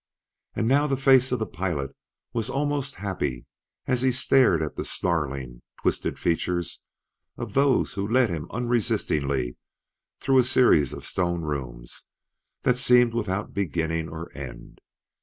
And now the face of the pilot was almost happy as he stared at the snarling, twisted features of those that led him unresistingly through a series of stone rooms that seemed without beginning or end.